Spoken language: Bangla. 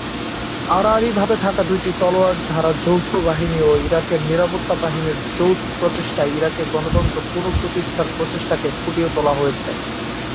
আড়াআড়িভাবে থাকা দুইটি তলোয়ার দ্বারা যৌথ বাহিনী ও ইরাকের নিরাপত্তা বাহিনীর যৌথ প্রচেষ্টায় ইরাকে গণতন্ত্র পুনঃপ্রতিষ্ঠার প্রচেষ্টাকে ফুটিয়ে তোলা হয়েছে।